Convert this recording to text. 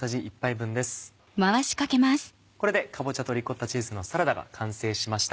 これでかぼちゃとリコッタチーズのサラダが完成しました。